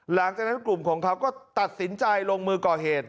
หลังจากนั้นกลุ่มของเขาก็ตัดสินใจลงมือก่อเหตุ